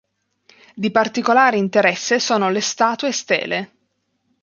Di particolare interesse sono le statue stele.